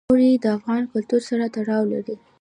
اوړي د افغان کلتور سره تړاو لري.